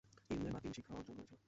ইলমে বাতিন শিক্ষা অর্জন করেছিলেন ।